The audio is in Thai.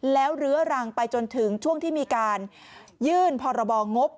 แล้วเรื้อรังไปจนถึงช่วงที่มีการยื่นพรบงบ